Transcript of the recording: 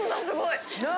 すごい！